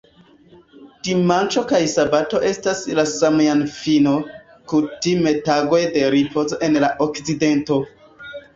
Dimanĉo kaj sabato estas la "semajnfino", kutime tagoj de ripozo en la Okcidento.